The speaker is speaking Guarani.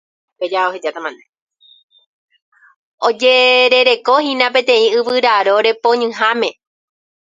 Ojerejekohína peteĩ yvyraróre poñyháme.